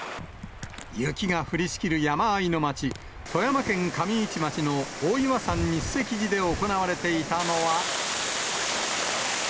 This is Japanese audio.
雪が降りしきる山あいの町、富山県上市町の大岩山日石寺で行われていたのは。